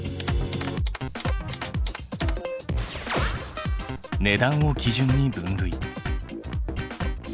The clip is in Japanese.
値段を基準に分類。